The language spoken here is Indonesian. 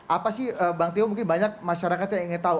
apa sih bang tio mungkin banyak masyarakat yang ingin tahu